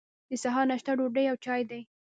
د سهار ناشته ډوډۍ او چای دی.